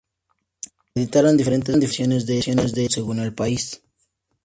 Se editaron diferentes versiones de este álbum según el país.